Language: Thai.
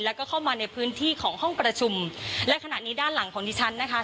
แล้วก็เข้ามาในพื้นที่ของห้องประชุมและขณะนี้ด้านหลังของดิฉันนะคะ